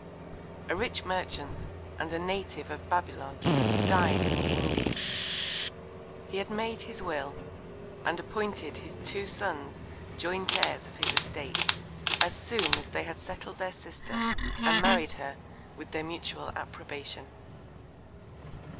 A rich Merchant, and a Native of Babylon, died in the Indies. He had made his Will, and appointed his two Sons Joint Heirs of his Estate, as soon as they had settled their Sister, and married her with their mutual Approbation.